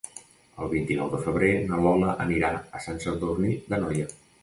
El vint-i-nou de febrer na Lola anirà a Sant Sadurní d'Anoia.